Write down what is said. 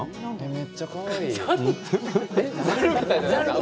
めっちゃかわいい。